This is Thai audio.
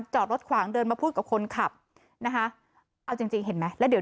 จอดรถขวางเดินมาพูดกับคนขับนะคะเอาจริงจริงเห็นไหมแล้วเดี๋ยว